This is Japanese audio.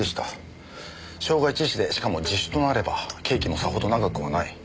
傷害致死でしかも自首となれば刑期もさほど長くはない。